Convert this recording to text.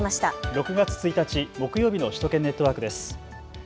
６月１日木曜日の首都圏ネットワークです。